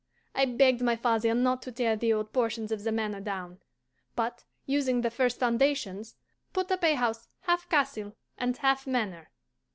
I begged my father not to tear the old portions of the manor down, but, using the first foundations, put up a house half castle and half manor.